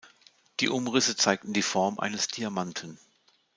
Die Umrisse zeigten die Form eines Diamanten.